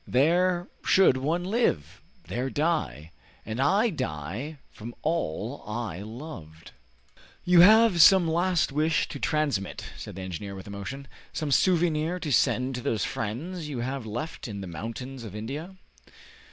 there should one live! there die! And I die far from all I loved!" "You have some last wish to transmit," said the engineer with emotion, "some souvenir to send to those friends you have left in the mountains of India?"